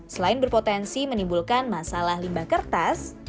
selain berpotensi menimbulkan masalah limbah kertas